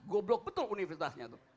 goblok betul universitasnya tuh